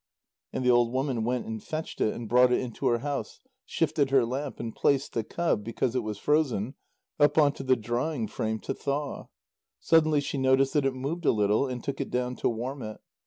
And the old woman went and fetched it, and brought it into her house, shifted her lamp, and placed the cub, because it was frozen, up on to the drying frame to thaw. Suddenly she noticed that it moved a little, and took it down to warm it.